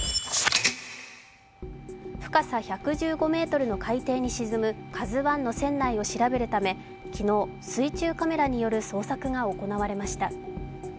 深さ１１５ｍの海底に沈む「ＫＡＺＵⅠ」の船内を調べるため昨日、水中カメラによる捜索が行われました。